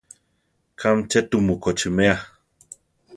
Kámi tze tumu kochímea?